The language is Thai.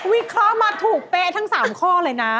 วิเคราะห์มาถูกเป๊ะทั้ง๓ข้อเลยนะ